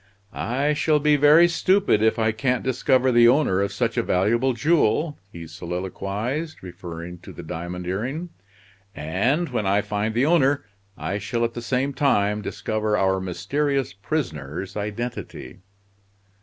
"I shall be very stupid if I can't discover the owner of such a valuable jewel," he soliloquized, referring to the diamond earring. "And when I find the owner I shall at the same time discover our mysterious prisoner's identity."